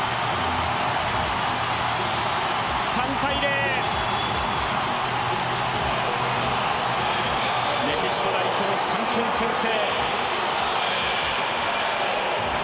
３−０、メキシコ代表、３点先制。